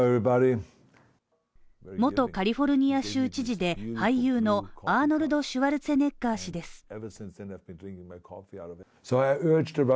元カリフォルニア州知事で俳優のアーノルド・シュワルツェネッガー氏です。